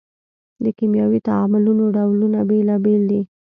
د کیمیاوي تعاملونو ډولونه بیلابیل دي.